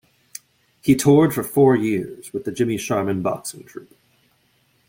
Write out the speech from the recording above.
He toured for four years with the Jimmy Sharman Boxing Troupe.